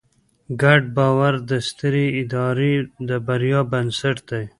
ګډ باور د سترې ادارې د بریا بنسټ دی.